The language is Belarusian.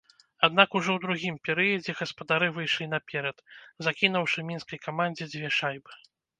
Аднак ужо ў другім перыядзе гаспадары выйшлі наперад, закінуўшы мінскай камандзе дзве шайбы.